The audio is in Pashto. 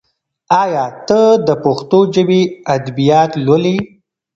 ایا ته د پښتو ژبې ادبیات لولي؟